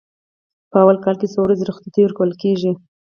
په لومړي کال څو ورځې رخصتي ورکول کیږي؟